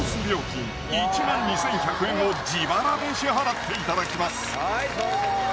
料金１２１００円を自腹で支払っていただきます